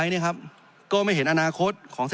จริงโครงการนี้มันเป็นภาพสะท้อนของรัฐบาลชุดนี้ได้เลยนะครับ